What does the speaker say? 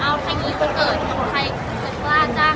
เพราะจะเลือกทีมดังนึง